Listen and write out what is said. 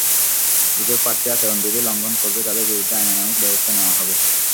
যেসব প্রার্থী আচরণবিধি লঙ্ঘন করবে, তাদের বিরুদ্ধে আইনানুগ ব্যবস্থা নেওয়া হবে।